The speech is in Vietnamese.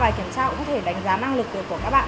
bài kiểm tra cũng có thể đánh giá năng lực của các bạn